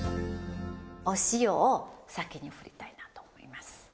お塩を先に振りたいなと思います。